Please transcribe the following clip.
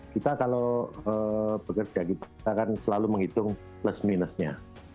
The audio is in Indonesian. kita kalau bekerja kita kan selalu menghitung plus minusnya